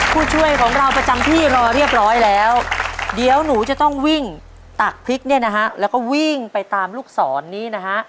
ผู้ช่วยของเราประจำที่รอเรียบร้อยแล้วเดี๋ยวหนูจะต้องวิ่งตักพริกเนี่ยนะฮะแล้วก็วิ่งไปตามลูกศรนี้นะฮะ